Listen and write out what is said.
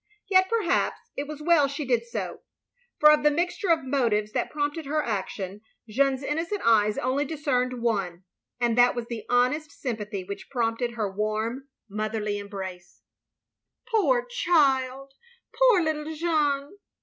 Yet perhaps, it was well she did so; for of the mixture of motives that prompted her action, Jeanne's innocent eyes only discerned one; and that was the honest sympathy which prompted her warm, motherly embrace. 3IO THE LONELY LADY "Poor child, poor little Jeanne."